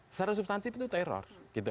secara substantif itu teror